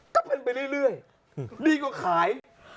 ก็เป็นไปเรื่อยดีกว่าขาย